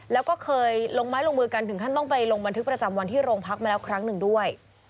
แล้วก็เคยลงไม้ลงมือกันถึงขั้นต้องไปลงบันทึกประจำวันที่โรงพักมาแล้วครั้งหนึ่งด้วย